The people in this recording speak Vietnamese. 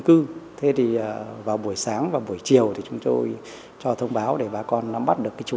cứ thế thì vào buổi sáng và buổi chiều thì chúng tôi cho thông báo để bà con nắm bắt được cái chú